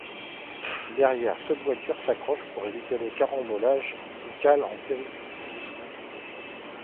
Derrière, sept voitures s'accrochent pour éviter le carambolage ou calent en pleine piste.